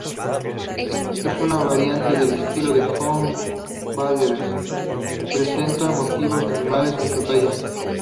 Es una variante del estilo de Sogn-Valdres, y presenta motivos animales en su talla.